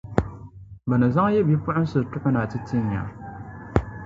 bɛ ni zaŋ yi bipuɣinsi tuɣi na ti tin ya.